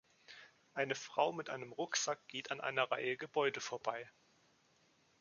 Eine Frau mit einem Rucksack geht an einer Reihe Gebäude vorbei.